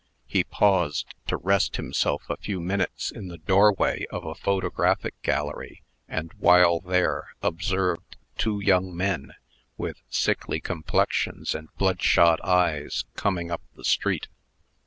He paused to rest himself a few minutes in the doorway of a photographic gallery; and, while there, observed two young men, with sickly complexions and bloodshot eyes, coming up the street.